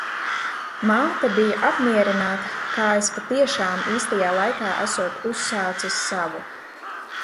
Māte bija apmierināta, kā es patiešām, īstajā laikā esot uzsācis savu.